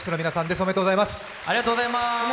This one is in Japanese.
おめでとうございます。